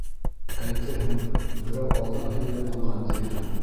Әйтерһең, берәү алдан һөйләп ҡуйған тиерһең.